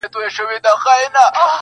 د باران اوبو ته ډنډونه جوړوي